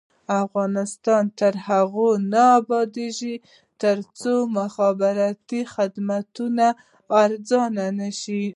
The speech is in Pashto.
افغانستان تر هغو نه ابادیږي، ترڅو مخابراتي خدمتونه ارزانه نشي.